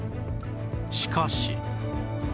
しかし